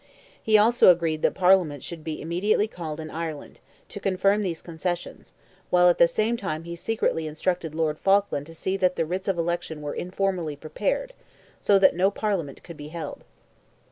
He also agreed that Parliament should be immediately called in Ireland, to confirm these concessions, while at the same time he secretly instructed Lord Falkland to see that the writs of election were informally prepared, so that no Parliament could be held.